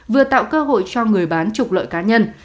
vừa tạo cơ hội cho người bán trục lợi cá nhân